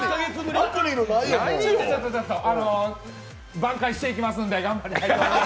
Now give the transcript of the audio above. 挽回していきますんで頑張りたいと思います。